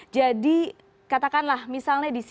jadi katakanlah misalnya di cvr